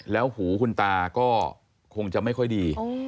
แล้วหูคุณตาก็คงจะไม่ค่อยดี